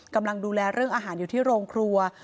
กำลังดูแลเรื่องอาหารอยู่ที่โรงครัว